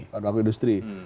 bahan baku industri